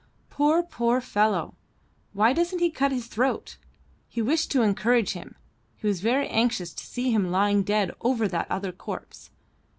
Poor, poor fellow! Why doesn't he cut his throat? He wished to encourage him; he was very anxious to see him lying dead over that other corpse.